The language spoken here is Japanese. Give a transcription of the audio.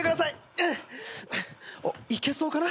おっいけそうかな。